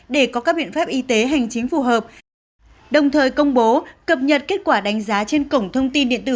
để có các biện pháp y tế hành chính phù hợp đồng thời công bố cập nhật kết quả đánh giá trên cổng thông tin điện tử